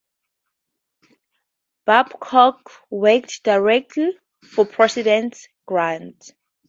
Babcock worked directly for President Grant.